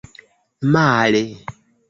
male